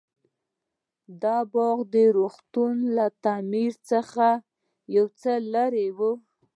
دا باغ د روغتون له تعمير څخه يو څه لرې و.